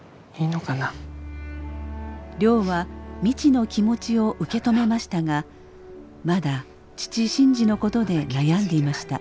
亮は未知の気持ちを受け止めましたがまだ父新次のことで悩んでいました。